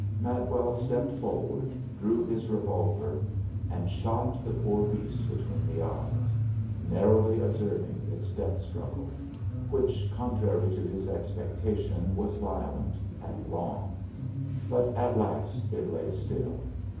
Madwell stepped forward, drew his revolver and shot the poor beast between the eyes, narrowly observing its death struggle, which, contrary to his expectation, was violent and long; but at last it lay still.